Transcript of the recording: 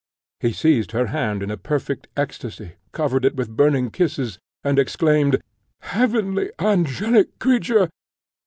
He seized her hand in a perfect ecstasy, covered it with burning kisses, and exclaimed, "Heavenly, angelic creature!"